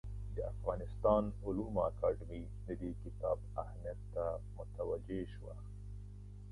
د افغانستان علومو اکاډمي د دې کتاب اهمیت ته متوجه شوه.